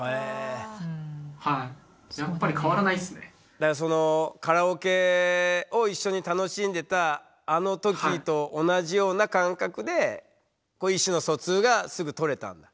だからそのカラオケを一緒に楽しんでたあの時と同じような感覚で意思の疎通がすぐとれたんだ？